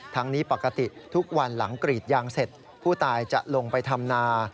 ทั้งนี้ปกติทุกวันหลังกรีดยางเสร็จผู้ตายจะลงไปทำนา